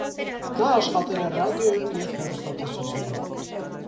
Նա աշխատել է ռադիոյում և հեռուստատեսությունում։